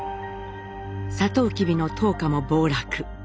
サトウキビの糖価も暴落。